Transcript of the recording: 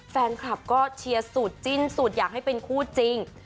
แฟนคลับก็เชียร์สูตรจิ้นสูตรอยากให้เป็นคู่จริง